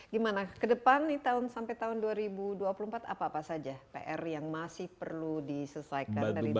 gimana ke depan sampai tahun dua ribu dua puluh empat apa apa saja pr yang masih perlu diselesaikan dari pemerintah